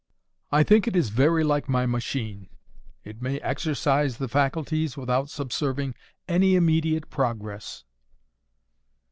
"I think it is very like my machine. It may exercise the faculties without subserving any immediate progress."